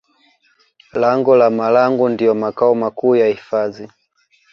Lango la Marangu ndiyo makao makuu ya hifadhi